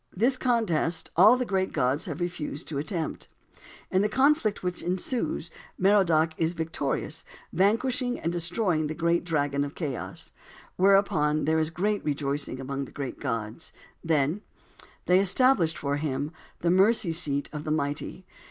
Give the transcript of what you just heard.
This contest all the great gods have refused to attempt. In the conflict which ensues Merodach is victorious, vanquishing and destroying the great dragon of chaos. Whereupon there was great rejoicing among the great gods. Then:— "They established for him the mercy seat of the mighty."